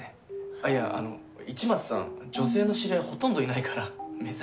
あっいやあの市松さん女性の知り合いほとんどいないから珍しいなって。